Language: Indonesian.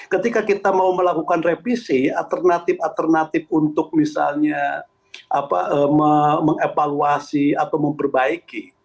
ketika kita mau melakukan revisi alternatif alternatif untuk misalnya mengevaluasi atau memperbaiki